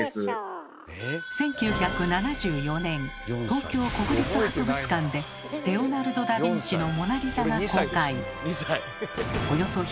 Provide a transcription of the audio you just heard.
東京国立博物館でレオナルド・ダビンチの「モナリザ」が公開。